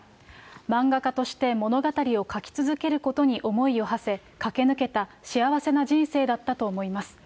漫画家として物語を描き続けることに思いをはせ、駆け抜けた幸せな人生だったと思います。